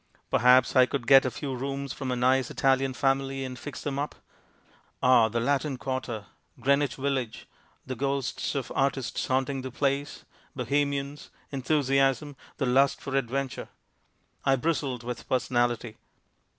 Perhaps I could get a few rooms from a nice Italian family and fix them up. Ah, the Latin quarter, Greenwich village, the ghosts of artists haunting the place, Bohemians, enthusiasm, the lust for adventure. I bristled with personality.